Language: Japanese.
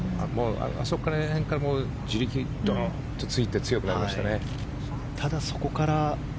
あそこら辺から地力がドーンとついて強くなりましたね。